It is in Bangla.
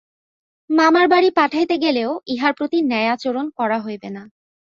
মামার বাড়ি পাঠাইতে গেলেও ইহার প্রতি ন্যায়াচরণ করা হইবে না।